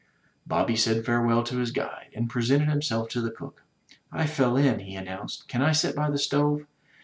Bobby said farewell to his guide, and presented himself to the cook. I fell in/' he announced, "can I sit by the stove?"